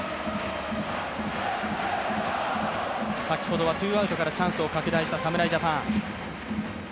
先ほどはツーアウトからチャンスを拡大した侍ジャパン。